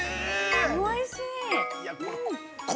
おいしい。